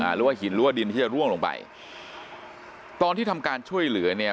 หรือว่าหินหรือว่าดินที่จะร่วงลงไปตอนที่ทำการช่วยเหลือเนี่ย